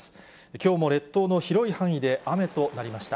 きょうも列島の広い範囲で雨となりました。